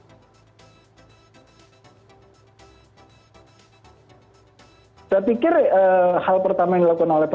saya pikir hal pertama yang dilakukan oleh pemerintah